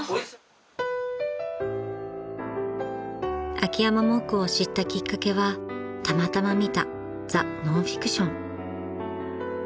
［秋山木工を知ったきっかけはたまたま見た『ザ・ノンフィクション』］